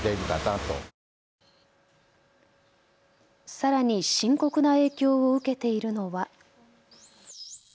さらに深刻な影響を受けているのは。